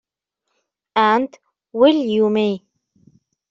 And well you may.